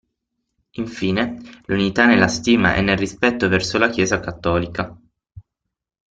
Infine, l'unità nella stima e nel rispetto verso la chiesa cattolica.